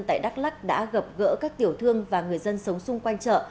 tại đắk lắc đã gặp gỡ các tiểu thương và người dân sống xung quanh chợ